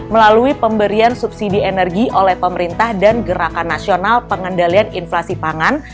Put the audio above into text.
melalui pemberian subsidi energi oleh pemerintah dan gerakan nasional pengendalian inflasi pangan